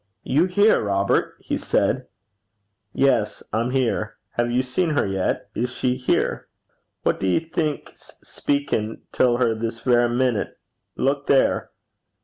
'You here, Robert!' he said. 'Yes, I'm here. Have you seen her yet? Is she here?' 'Wha do ye think 's speakin' till her this verra minute? Look there!'